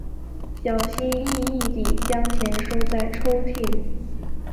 小心翼翼地将钱收在抽屉里